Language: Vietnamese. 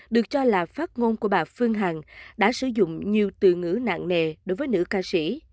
được cho là phát ngôn của bà phương hằng đã sử dụng nhiều từ ngữ nặng nề đối với nữ ca sĩ